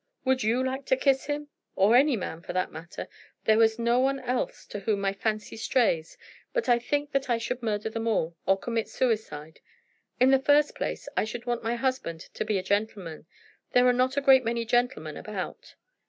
"Would you like to kiss him? or any man, for the matter of that? There is no one else to whom my fancy strays, but I think that I should murder them all, or commit suicide. In the first place, I should want my husband to be a gentleman. There are not a great many gentlemen about."